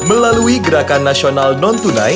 melalui gerakan nasional non tunai